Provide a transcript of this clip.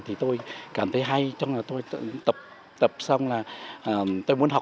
thì tôi cảm thấy hay trong là tôi tự tập xong là tôi muốn học